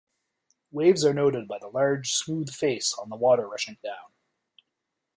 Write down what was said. Waves are noted by the large smooth face on the water rushing down.